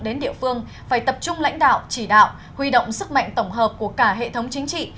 đến địa phương phải tập trung lãnh đạo chỉ đạo huy động sức mạnh tổng hợp của cả hệ thống chính trị